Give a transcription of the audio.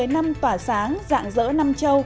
một mươi năm tỏa sáng dạng dỡ năm châu